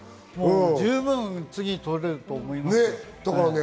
十分、次取れると思います。